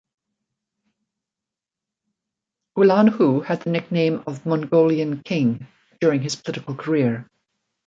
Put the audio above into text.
Ulanhu had the nickname of "Mongolian King" during his political career.